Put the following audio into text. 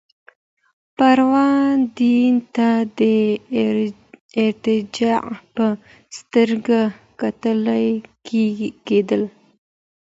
پرون دين ته د ارتجاع په سترګه کتل کېدل.